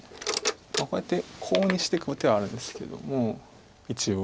こうやってコウにしていく手はあるんですけども一応。